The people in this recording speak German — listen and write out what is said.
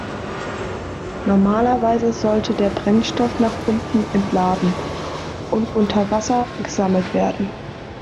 Normalerweise sollte der Brennstoff nach unten entladen und unter Wasser gesammelt werden.